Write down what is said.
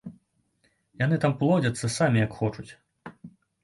Яны там плодзяцца самі як хочуць.